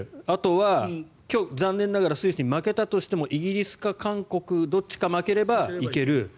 あとは残念ながらスイスに負けたとしてもイギリスか韓国どっちか負ければ行ける。